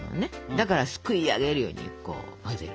だからすくいあげるようにこう混ぜる。